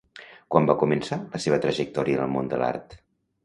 Quan va començar la seva trajectòria en el món de l'art?